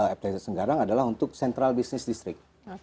aplikasi senggarang adalah untuk central business district